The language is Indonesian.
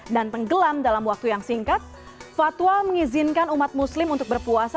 tenggelam dalam waktu yang singkat fatwa mengizinkan umat muslim untuk berpuasa